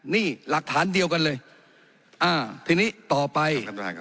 นี่หลักฐานเดียวกันเลยอ่าทีนี้ต่อไป